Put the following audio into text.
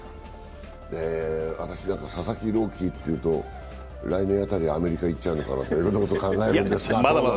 私なんか、佐々木朗希っていうと来年辺り、アメリカへ行っちゃうのかなとかいろいろなこと考えるんですが。